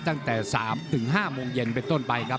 ตั้งแต่๓๕โมงเย็นเป็นต้นไปครับ